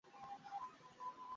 এইযে, এসে গেছে।